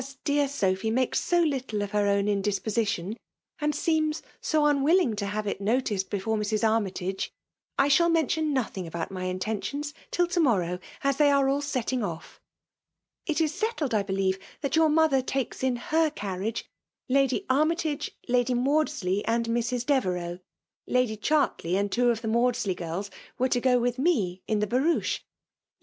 dear Sophy makes so little of her owu indieposition, and seems so \mwilling to have it noticed before Mrs. Armytage, I shall men tion nothing about my intentiona till to»mer Ttfw; w thby ai6 all 8elting> off. Itis^iettM, IbelieiFei thafc j«our mother takes in her cor* Tiflfge Lady Annytagc, Lady Maodsldy, andr Mv»^ Devercux; Lady Chartley and two of the Maudsley girls were to go with: rAe in the b«Boache; you.